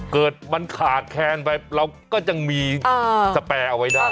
เกิดมันขาดแคนไปเราก็ยังมีสแปรเอาไว้ได้